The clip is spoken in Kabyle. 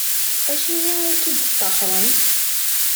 Acimi ay k-id-sṭaxren?